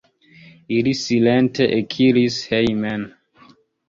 Ili silente ekiris hejmen.